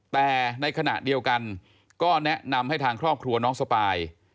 แต่ในขณะเดียวกันก็แนะนำให้ทางครอบครัวน้องสปาย